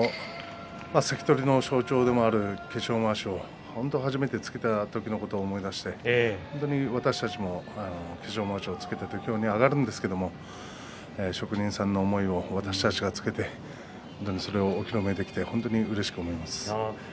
関取の象徴でもある化粧まわしを本当に初めてつけた時のことを思い出して本当に私たちも化粧まわしをつけて土俵に上がるんですが職人さんの思いを私たちがつけてそれをお披露目できてうれしく思います。